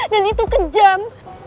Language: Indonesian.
dan itu kejam